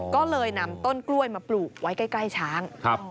ก็เลยนำต้นกล้วยมาปลูกไว้ใกล้ช้าง